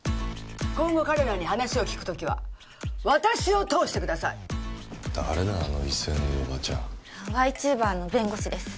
今後彼らに話を聞く時は私を通してください誰だあの威勢のいいオバチャンＹチューバーの弁護士です